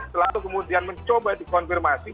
selalu kemudian mencoba dikonfirmasi